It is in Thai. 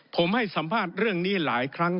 ผมให้สัมภาษณ์เรื่องนี้หลายครั้ง